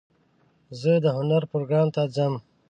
زه د هنر پروګرام ته ځم.